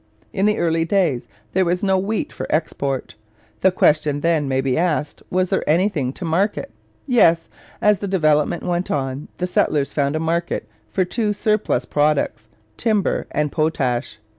In the early days there was no wheat for export. The question then may be asked, was there anything to market? Yes; as the development went on, the settlers found a market for two surplus products, timber and potash.